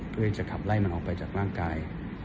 เพื่อที่จะขับไล่มันออกไปจากร่างกาย